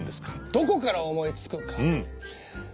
どこから思いつくか？